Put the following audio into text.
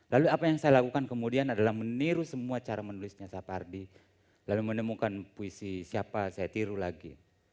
lalu apa yang saya lakukan kemudian adalah meniru semua cara menulisnya sapardi lalu menemukan puisi siapa saya tiru lagi